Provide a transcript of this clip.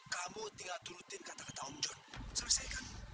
kamu tinggal turutin kata kata om john selesai kan